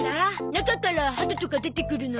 中からハトとか出てくるの？